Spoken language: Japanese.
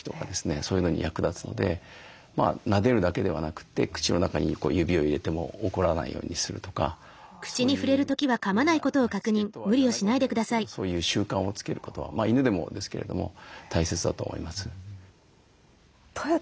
そういうのに役立つのでなでるだけではなくて口の中に指を入れても怒らないようにするとかそういうようなしつけとは言わないかもしれないですけどそういう習慣をつけることは犬でもですけれども大切だと思います。